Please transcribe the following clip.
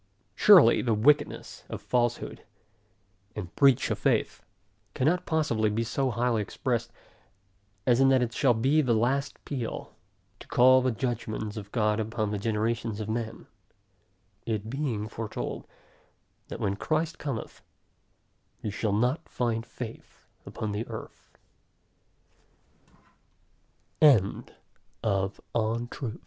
Surely the wickedness of falsehood, and breach of faith, cannot possibly be so highly expressed, as in that it shall be the last peal, to call the judgments of God upon the generations of men; it being foretold, that when Christ cometh, he shall not find faith upon the earth.